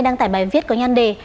đăng tải bài viết có nhân đề